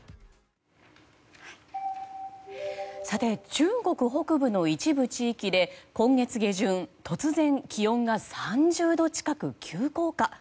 中国北部の一部地域で今月下旬、突然気温が３０度近く急降下。